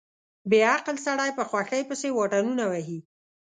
بې عقل سړی په خوښۍ پسې واټنونه وهي.